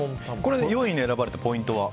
４位に選ばれたポイントは？